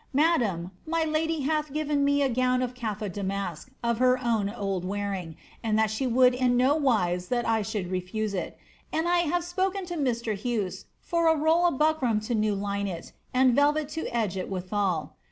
Madame, my lady hath given me a gown of Kada damask, of her own old wearing, and that she would in nowise that I should refuse it; and 1 have spoken to Mr. Husse for a roll of buckram to new line it, and velvet to edge it withal.